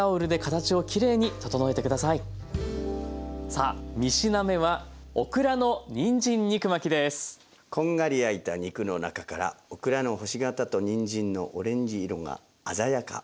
さあ３品目はこんがり焼いた肉の中からオクラの星形とにんじんのオレンジ色が鮮やか。